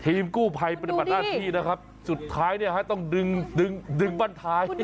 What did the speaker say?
ธีมกู้ไภ้เป็นปัญหาที่แล้วสุดท้ายข้าต้องดึงบ้านท้าย